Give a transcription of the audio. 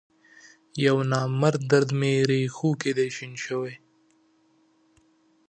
یونامرد درد می رېښوکې دی شین شوی